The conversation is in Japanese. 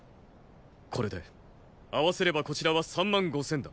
これで合わせればこちらは三万五千だ。